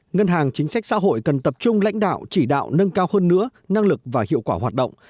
ngân hàng chính sách xã hội cần tập trung lãnh đạo chỉ đạo nâng cao hơn nữa năng lực và hiệu quả hoạt động